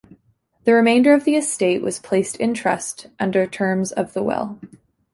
The remainder of the estate was placed in trust under terms of the will.